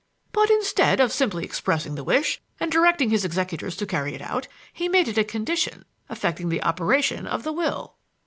But instead of simply expressing the wish and directing his executors to carry it out, he made it a condition affecting the operation of the will."